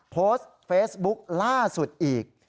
โพสต์เฟซบุ๊คล่าสุดอีก